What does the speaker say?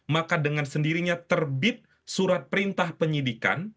maka dengan sendirinya terbit surat perintah penyidikan